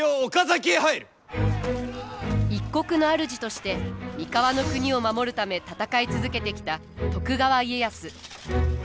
一国の主として三河国を守るため戦い続けてきた徳川家康。